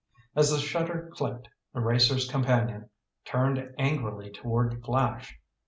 As the shutter clicked, the racer's companion, turned angrily toward Flash.